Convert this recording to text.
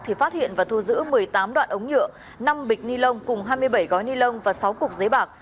thì phát hiện và thu giữ một mươi tám đoạn ống nhựa năm bịch ni lông cùng hai mươi bảy gói ni lông và sáu cục giấy bạc